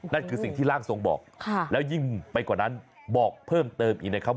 นั่นคือสิ่งที่ร่างทรงบอกแล้วยิ่งไปกว่านั้นบอกเพิ่มเติมอีกนะครับ